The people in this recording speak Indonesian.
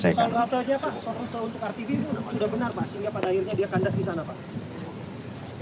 sehingga pada akhirnya dia kandas disana pak